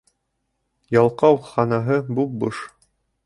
Ялҡау ханаһы буп-буш.